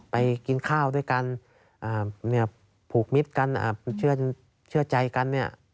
ไปกินข้าวด้วยกันผูกมิตรกันเชื่อใจกันเนี่ย